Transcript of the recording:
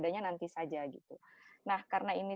nanti saja nah karena ini